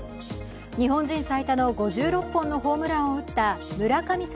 日本人最多の５６本のホームランを打った村神様